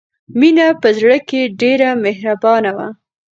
مینه په زړه کې ډېره مهربانه وه